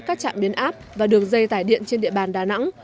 các trạm biến áp và đường dây tải điện trên địa bàn đà nẵng